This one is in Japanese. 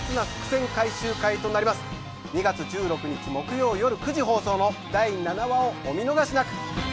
２月１６日木曜よる９時放送の第７話をお見逃しなく。